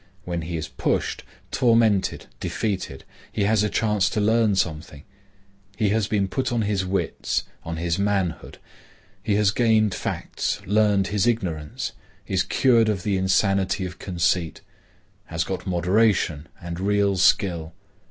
When he is pushed, tormented, defeated, he has a chance to learn something; he has been put on his wits, on his manhood; he has gained facts; learns his ignorance; is cured of the insanity of conceit; has got moderation and real skill.